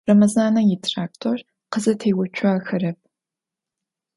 Рэмэзанэ итрактор къызэтеуцуахэрэп.